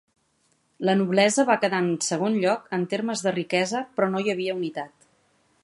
La noblesa va quedar en segon lloc en termes de riquesa, però no hi havia unitat.